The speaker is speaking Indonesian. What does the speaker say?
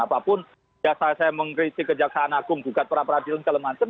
apapun saya mengkritik kejaksaan agung juga para para diri yang kelemahkan